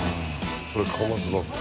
これカマスだって。